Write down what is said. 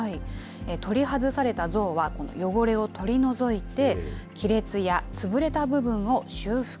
取り外された像は、汚れを取り除いて、亀裂や潰れた部分を修復。